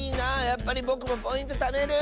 やっぱりぼくもポイントためる！